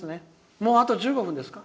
もうあと１５分ですか。